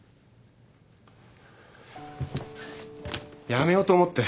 やめようと思って。